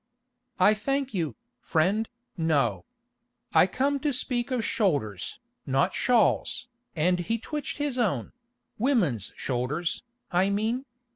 "I thank you, friend, no. I come to speak of shoulders, not shawls," and he twitched his own—"women's shoulders, I mean.